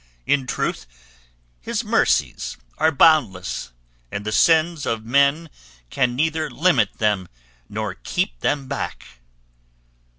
In truth his mercies are boundless, and the sins of men can neither limit them nor keep them back!"